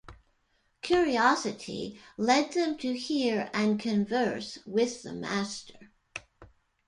Curiosity led them to hear and converse with the master.